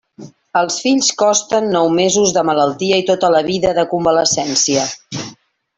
Els fills costen nou mesos de malaltia i tota la vida de convalescència.